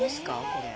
これ。